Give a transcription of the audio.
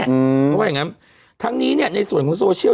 เพราะว่าอย่างงั้นทั้งนี้เนี่ยในส่วนของโซเชียล